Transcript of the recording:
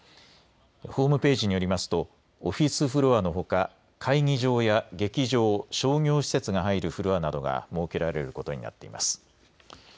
ホームページによりますとオフィスフロアのほか、会議場や劇場、商業施設が入るフロアなどが設けられることになっています。